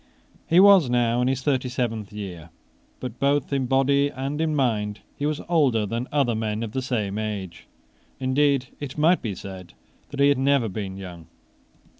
He was now in his thirty seventh year. But both in body and in mind he was older than other men of the same age. Indeed it might be said that he had never been young.